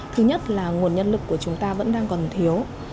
thứ nhất là nguồn nhân lực của chúng ta vẫn đang còn thiếu